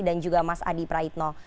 dan juga mas hadi praitno